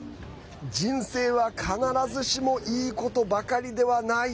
人生は、必ずしもいいことばかりではない。